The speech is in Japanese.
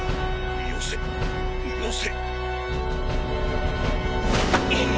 よせよせ。